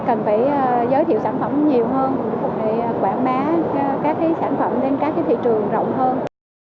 để quảng bá các cái sản phẩm lên các cái thị trường rộng hơn